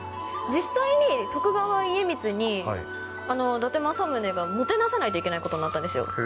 実際に徳川家光に、伊達政宗がもてなさないといけないことになったんですよ。